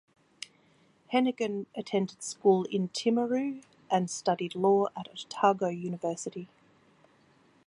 Henaghan attended school in Timaru and studied law at Otago University.